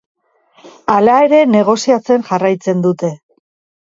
Hala ere, negoziatzen jarraitzen dute.